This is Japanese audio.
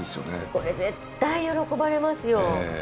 これ絶対喜ばれますよ。